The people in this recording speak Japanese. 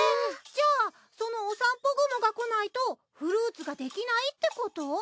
じゃあそのおさんぽ雲が来ないとフルーツができないってこと？